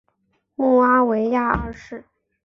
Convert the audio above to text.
穆阿维亚二世。